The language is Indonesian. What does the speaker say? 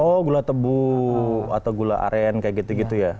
oh gula tebu atau gula aren kayak gitu gitu ya